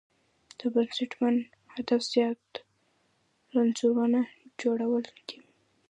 د بېټسمېن هدف زیات رنزونه جوړول دي.